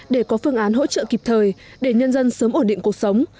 để có phương án hỗ trợ kịp thời để nhân dân sớm ổn định cuộc sống